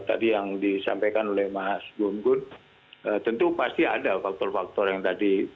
tadi yang disampaikan oleh mas gun gun tentu pasti ada faktor faktor yang tadi